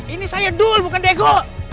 ini saya dul bukan degok